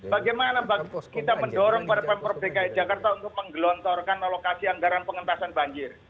bagaimana kita mendorong pada pemprov dki jakarta untuk menggelontorkan alokasi anggaran pengentasan banjir